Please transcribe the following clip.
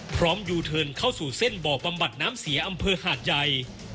ยูเทิร์นเข้าสู่เส้นบ่อบำบัดน้ำเสียอำเภอหาดใหญ่